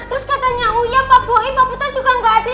terus katanya uya pak pohi pak putra juga gak ada